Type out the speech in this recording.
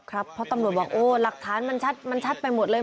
เพราะตำรวจบอกโอ้หลักฐานมันชัดมันชัดไปหมดเลย